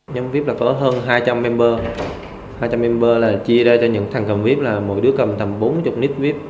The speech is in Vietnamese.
nhóm vip là có hơn hai trăm linh member hai trăm linh member là chia ra cho những thằng cầm vip là mỗi đứa cầm tầm bốn mươi nít vip